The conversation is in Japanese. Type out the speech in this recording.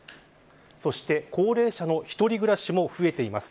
そして高齢者の一人暮らしも増えています。